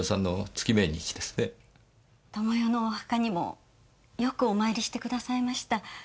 智世のお墓にもよくお参りしてくださいました。